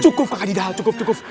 cukup kak adidah cukup cukup